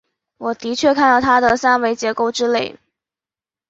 我的确看到它的三维结构之类。